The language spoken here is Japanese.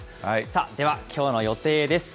さあ、ではきょうの予定です。